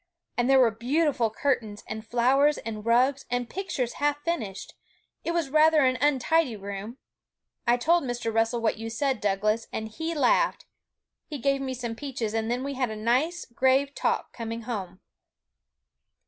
And there were beautiful curtains, and flowers, and rugs, and pictures half finished. It was rather an untidy room. I told Mr. Russell what you said, Douglas; and he laughed. He gave me some peaches, and then we had a nice grave talk coming home.'